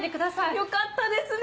よかったですね